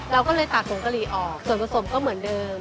เราก็เลยตัดผงกะหรี่ออกส่วนผสมก็เหมือนเดิม